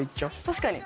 確かに。